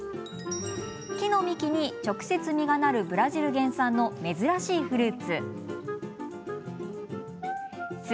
木の幹に直接、実がなるブラジル原産の珍しいフルーツです。